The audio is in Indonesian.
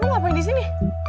kamu ngapain di sini